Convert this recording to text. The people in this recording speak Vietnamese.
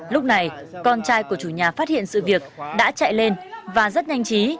lúc này con trai của chủ nhà phát hiện sự việc đã chạy lên và rất nhanh chí